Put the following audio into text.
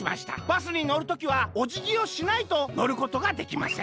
バスにのる時はおじぎをしないとのることができません」。